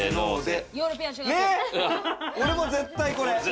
俺も絶対これ！